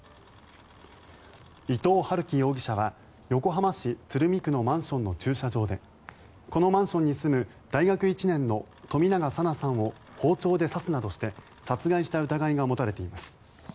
伊藤龍稀容疑者は横浜市鶴見区のマンションの駐車場でこのマンションに住む大学１年の冨永紗菜さんを包丁で刺すなどして殺害した疑いが持たれています。